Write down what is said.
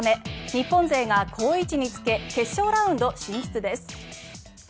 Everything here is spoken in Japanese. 日本勢が好位置につけ決勝ラウンド進出です。